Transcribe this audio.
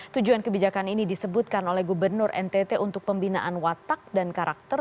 tujuan kebijakan ini disebutkan oleh gubernur ntt untuk pembinaan watak dan karakter